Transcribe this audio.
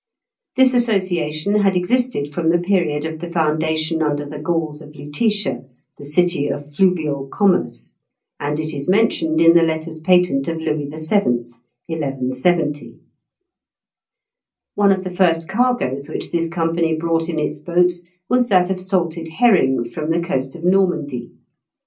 This association had existed from the period of the foundation under the Gauls of Lutetia, the city of fluvial commerce (Fig. 103), and it is mentioned in the letters patent of Louis VII. (1170). One of the first cargoes which this company brought in its boats was that of salted herrings from the coast of Normandy.